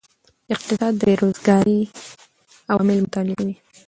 اقتصاد د بیروزګارۍ عوامل مطالعه کوي.